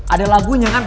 ada lagunya kan